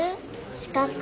四角？